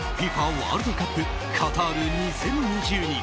ワールドカップカタール２０２２。